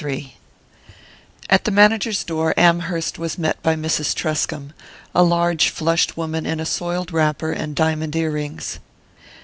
III AT the manager's door Amherst was met by Mrs. Truscomb, a large flushed woman in a soiled wrapper and diamond earrings.